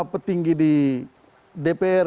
petinggi di dpr